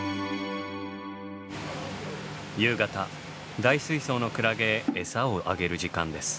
夕方大水槽のクラゲへエサをあげる時間です。